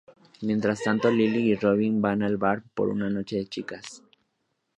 Mientras tanto, Lily y Robin van al bar para una noche de chicas.